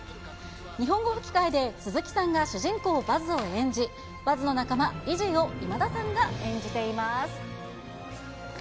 日本語吹き替えで鈴木さんが主人公、バズを演じ、バズの仲間、イジーを今田さんが演じています。